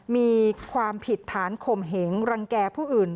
มีความผิดฐานข่มเหงรังแก่ผู้อื่น